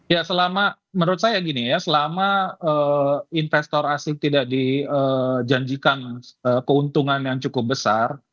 ya selama menurut saya gini ya selama investor asing tidak dijanjikan keuntungan yang cukup besar